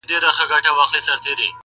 بې له ميني که ژوندون وي که دنیا وي.